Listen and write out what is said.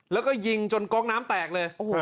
แล้วก็ยิงจนก๊อกน้ำแตกเลย